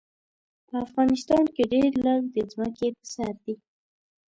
په افغانستان کې ډېر لږ د ځمکې په سر دي.